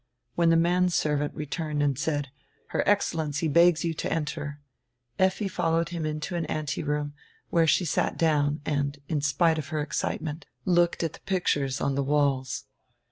When the man servant returned and said, "Her Excellency begs you to enter," Effi followed him into an anteroom, where she sat down and, in spite of her excitement, looked at the pictures on the walls.